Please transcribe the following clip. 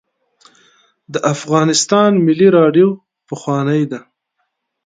د افغانستان ملي راډیو پخوانۍ ده